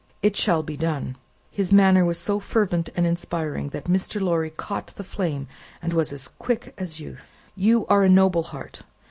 "It shall be done!" His manner was so fervent and inspiring, that Mr. Lorry caught the flame, and was as quick as youth. "You are a noble heart.